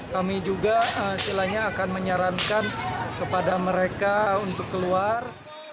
kami juga silanya akan menyarankan kepada mereka untuk keluar